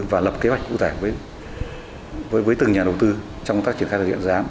và lập kế hoạch cụ thể với từng nhà đầu tư trong tác triển khai đại diện dự án